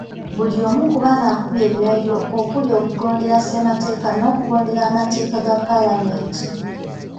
Buli omu ku bano akubye ebirayiro okuli okugondera Ssemateeka n’okugondera amateeka ga Paalamenti.